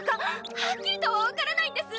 はっきりとは分からないんです